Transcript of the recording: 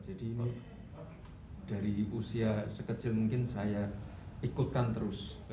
jadi ini dari usia sekecil mungkin saya ikutkan terus